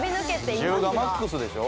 １０がマックスでしょ？